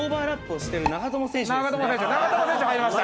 長友選手入りました。